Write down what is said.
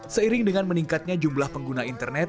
seiring dengan meningkatnya jumlah pengguna internet